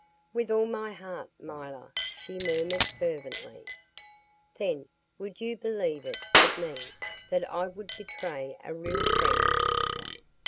"With all my heart, milor," she murmured fervently. "Then, would you believe it of me that I would betray a real friend?"